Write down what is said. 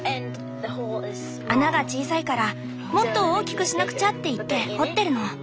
穴が小さいからもっと大きくしなくちゃって言って掘ってるの。